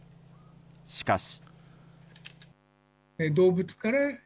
しかし。